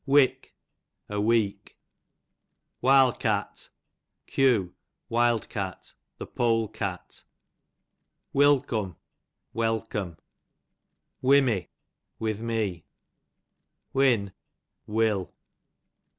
Wick, a week. Wilcat, q. wild cat, the pole cat. Wilcome, welcome. Wimmy, with me. Win, will.